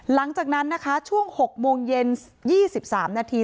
หลังจากนั้นนะคะช่วง๖โมงเย็น๒๓นาที